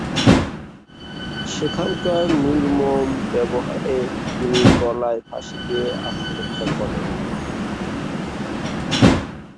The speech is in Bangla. সেখানকার নির্মম ব্যবহারে তিনি গলায় ফাঁসি দিয়ে আত্মহত্যা করেন।